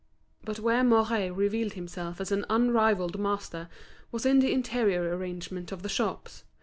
But where Mouret revealed himself as an unrivalled master was in the interior arrangement of the shops.